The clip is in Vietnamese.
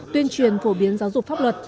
tuyên truyền phổ biến giáo dục pháp luật